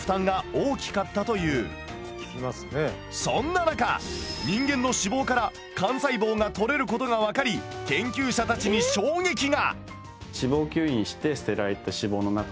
そんな中人間の脂肪から幹細胞がとれることが分かり研究者たちに衝撃が！